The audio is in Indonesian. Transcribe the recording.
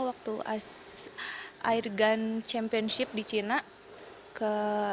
waktu airgun championship di cina ke enam